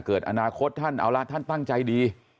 เกิดอนาคตท่านเอาละท่านตั้งใจดี